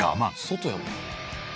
外やもん。